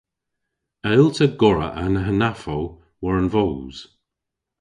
A yll'ta gorra an hanafow war an voos?